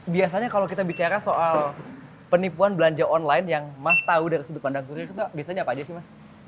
biasanya kalau kita bicara soal penipuan belanja online yang mas tahu dari sudut pandang kurir itu biasanya apa aja sih mas